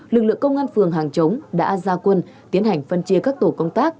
lực lượng công an phường hàng chống đã ra quân tiến hành phân chia các tổ công tác